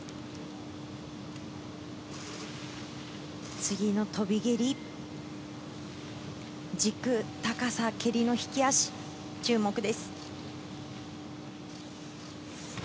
次の飛び蹴り、軸、高さ、蹴りの引き足、注目です。